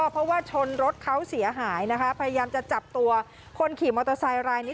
เพราะว่าชนรถเขาเสียหายนะคะพยายามจะจับตัวคนขี่มอเตอร์ไซค์รายนี้